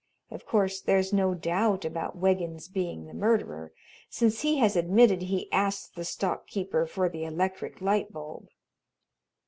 Of course there's no doubt about Wiggins being the murderer, since he has admitted he asked the stock keeper for the electric light bulb."